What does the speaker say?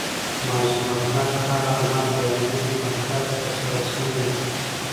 ماضي مطلق هغه عمل بیانوي، چي مخکښي ترسره سوی يي.